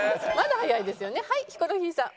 はいヒコロヒーさん。